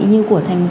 như của thanh